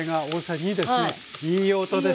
いい音ですね。